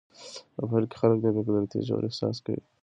په پیل کې خلک د بې قدرتۍ ژور احساس کوي.